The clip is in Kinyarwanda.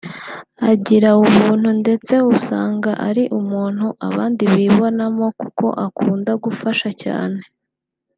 agira ubuntu ndetse usanga ari umuntu abandi bibonamo kuko akunda gufasha cyane